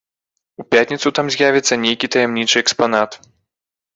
У пятніцу там з'явіцца нейкі таямнічы экспанат.